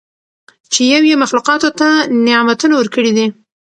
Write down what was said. چې یو ئي مخلوقاتو ته نعمتونه ورکړي دي